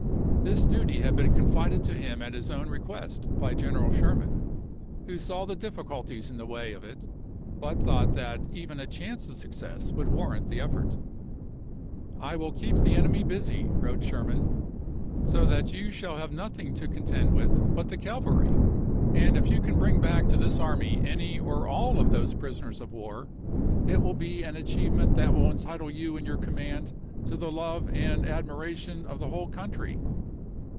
This duty had been confided to him at his own re quest by General Sherman, who saw the difficulties in the way of it : but thought that even a chance of success would warrant the effort. "I will keep the enemy busy," wrote Sherman, " so that you shall have nothing to contend with but the cavalry, and Re ort if you can bring back to this army any or all of ^gcSSoS those prisoners of war it will be an achievement otmlJ™* that will entitle you and your command to the love sSt?" and admiration of the whole country."